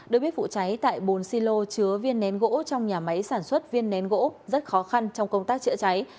được biết vụ cháy tại bồn silo chứa viên nén gỗ trong nhà máy sản xuất viên nén gỗ rất khó khăn trong công tác chữa cháy